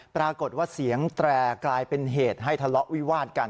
ปรากฏว่าเสียงแตรกลายเป็นเหตุให้ทะเลาะวิวาดกัน